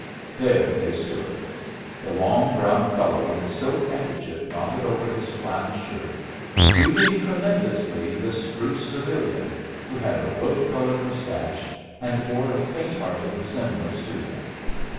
There they stood the long, brown fellow with the silk handkerchief knotted over his flannel shirt, greeting tremendously the spruce civilian, who had a rope colored mustache and bore a fainthearted resemblance to him.